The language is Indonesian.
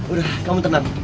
udah kamu tenang